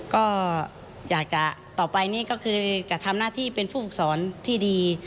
ก็อยากจะต่อไปนี่ก็คือจะทำหน้าที่เป็นผู้ฝึกสอนที่ดี